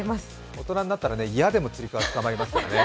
大人になったら嫌でもつり革につかまりますからね。